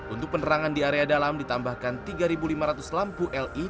untuk penerangan di area dalam ditambahkan tiga lima ratus lampu le